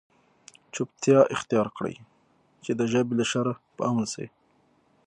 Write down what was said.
چوپتیا اختیار کړئ! چي د ژبي له شره په امن سئ.